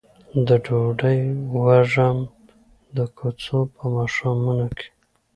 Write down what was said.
د ډوډۍ وږم د کوڅو په ماښامونو کې